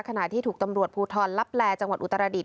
ขณะที่ถูกตำรวจพุทธรรพแหลจังหวัดอุตรรดิษฐ์